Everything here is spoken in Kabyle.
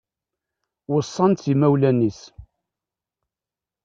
Weṣṣan-tt imawlan-is